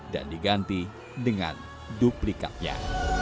dan diganti dengan duplikatnya